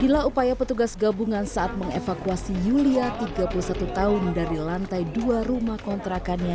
inilah upaya petugas gabungan saat mengevakuasi yulia tiga puluh satu tahun dari lantai dua rumah kontrakannya